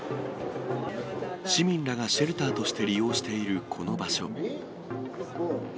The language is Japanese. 市民らがシェルターとして利用しているこの場所。